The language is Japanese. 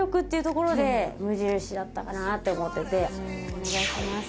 お願いします。